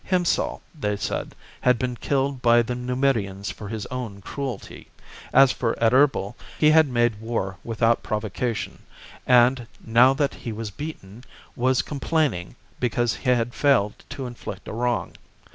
Hiempsal, they said, had been killed by the Numidians for his own cruelty ; as for Adherbal, he had made war without provocation, and, now that he was beaten, was complaining because he had failed to inflict a wrong.